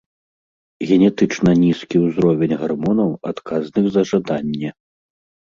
Генетычна нізкі ўзровень гармонаў, адказных за жаданне.